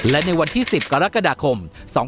และในวันที่๑๐กรกฎาคม๒๕๖๒